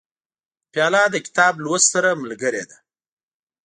پیاله د کتاب لوست سره ملګرې ده.